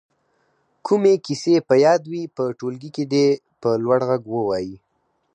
کومې کیسې په یاد وي په ټولګي کې دې په لوړ غږ ووايي.